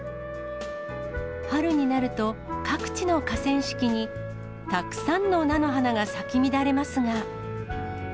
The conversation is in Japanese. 春になると、各地の河川敷にたくさんの菜の花が咲き乱れますが。